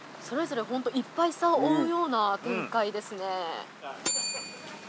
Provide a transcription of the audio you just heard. それぞれホント１杯差を追うような展開ですね。